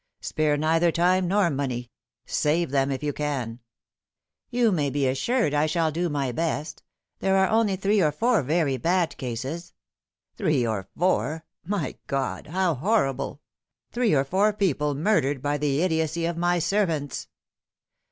Spare neither time nor money. Save them, if you can." " You may be assured I shall do my best. There are only three or four very bad cases." " Three or four ! My God, how horrible ! Three or four people murdered by the idiocy of my servants."